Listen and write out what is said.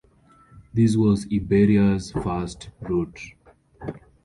This was Iberia's first route.